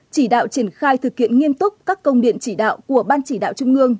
chỉ đạo triển khai thực hiện nghiêm túc các công điện chỉ đạo của ban chỉ đạo trung ương